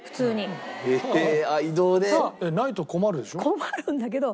困るんだけど。